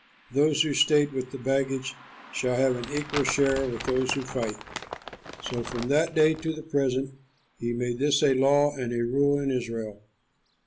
Those who stay with the baggage shall have an equal share with those who fight." So from that day to the present he made this a law and a rule in Israel.